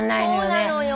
そうなのよ。